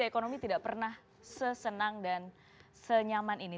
ekonomi tidak pernah sesenang dan senyaman ini